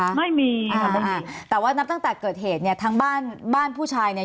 ไม่มีค่ะไม่มีแต่ว่านับตั้งแต่เกิดเหตุเนี่ยทั้งบ้านบ้านผู้ชายเนี่ย